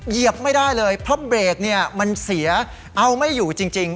เหยียบไม่ได้เลยเพราะเบรกเนี้ยมันเสียเอาไม่อยู่จริงจริง